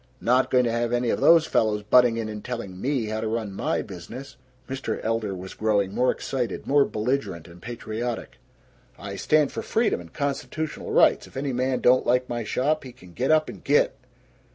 Not going to have any of those fellows butting in and telling ME how to run MY business!" Mr. Elder was growing more excited, more belligerent and patriotic. "I stand for freedom and constitutional rights. If any man don't like my shop, he can get up and git.